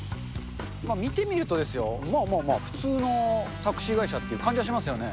見てみると、まあまあまあ、普通のタクシー会社っていう感じはしますよね。